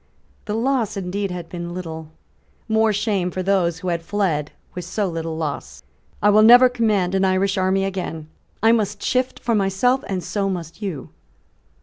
The loss indeed had been little. More shame for those who had fled with so little loss. "I will never command an Irish army again. I must shift for myself; and so must you."